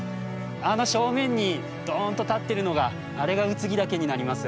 あの正面にドンと立ってるのがあれが空木岳になります。